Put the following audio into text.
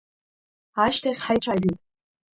Ашьҭахь ҳаицәажәеит.